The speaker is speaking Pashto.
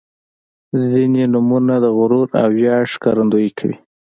• ځینې نومونه د غرور او ویاړ ښکارندويي کوي.